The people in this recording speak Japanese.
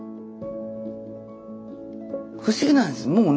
不思議なんです。